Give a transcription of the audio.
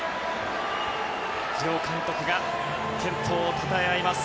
両監督が健闘をたたえ合います。